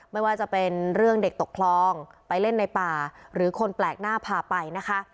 ไม่ว่าจะเป็นเรื่องเด็กตกคลองไปเล่นในป่าหรือคนแปลกหน้าพาไปนะคะ